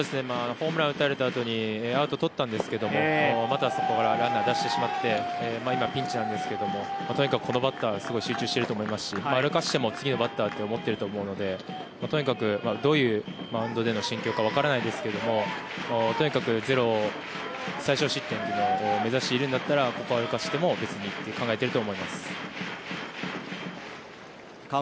ホームラン打たれたあとにアウトとったんですけどもまた、そこからランナーを出してしまって今、ピンチなんですけどもとにかくこのバッターにすごい集中していると思いますし歩かせても次のバッターだと思っていると思うのでとにかくどういうマウンドでの心境かは分からないですがとにかく最少失点というのを目指しているならここは打たせてもとあっと！